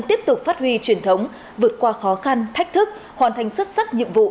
tiếp tục phát huy truyền thống vượt qua khó khăn thách thức hoàn thành xuất sắc nhiệm vụ